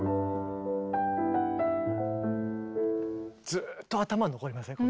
ずっと頭に残りません？